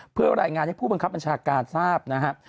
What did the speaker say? เพื่อรายงานให้ผู้บังคับบัญชาการทราบนะครับ